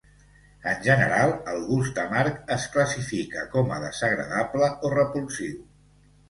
En general, el gust amarg es classifica com a desagradable o repulsiu.